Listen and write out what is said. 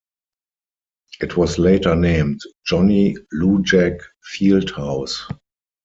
It was later named Johnny Lujack Field House.